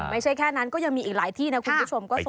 ไม่ใช่แค่นั้นก็ยังมีอีกหลายที่นะคุณผู้ชม